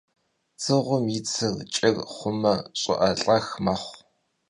Dzığuem yi tsır ç'ır xhume, ş'ı'elh'ex mexhu.